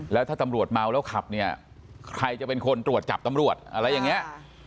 แล้วถ้าตำรวจเมาแล้วขับเนี่ยใครจะเป็นคนตรวจจับตำรวจอะไรอย่างนี้